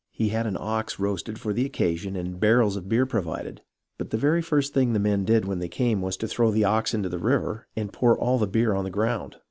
He had an ox roasted for the occasion and barrels of beer provided ; but the very first thing the men did when they came was to throw the ox into the river, and pour all the beer on the ground.